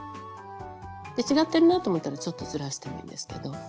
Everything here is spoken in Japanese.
で違ってるなと思ったらちょっとずらしてもいいんですけど。